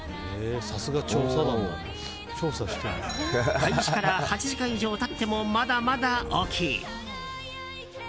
開始から８時間以上経ってもまだまだ大きい。